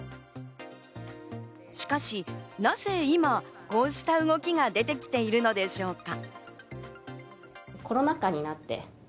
しかしなぜ今、こうした動きが出てきているのでしょうか。